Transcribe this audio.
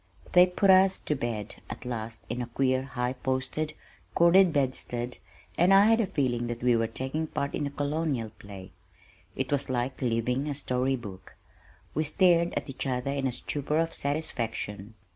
They put us to bed at last in a queer high posted, corded bedstead and I had a feeling that we were taking part in a Colonial play. It was like living a story book. We stared at each other in a stupor of satisfaction.